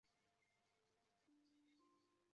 由当时的暹罗君主拉玛四世命名。